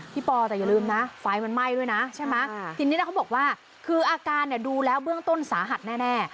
ปอแต่อย่าลืมนะไฟมันไหม้ด้วยนะใช่ไหมทีนี้แล้วเขาบอกว่าคืออาการเนี่ยดูแล้วเบื้องต้นสาหัสแน่